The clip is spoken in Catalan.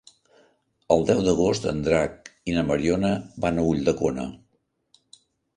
El deu d'agost en Drac i na Mariona van a Ulldecona.